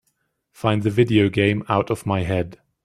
Find the video game Out of My Head